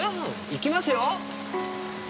行きますよ！